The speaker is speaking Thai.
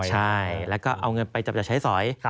ใช่แล้วก็เอาเงินไปจับยัดใช้สอย